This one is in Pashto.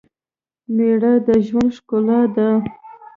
مېړه دژوند ښکلا ده